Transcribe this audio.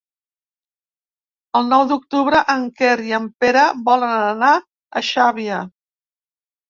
El nou d'octubre en Quer i en Pere volen anar a Xàbia.